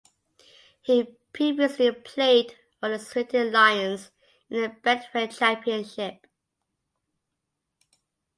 He previously played for the Swinton Lions in the Betfred Championship.